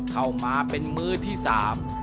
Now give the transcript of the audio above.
เข้ามาเป็นมื้อที่สาม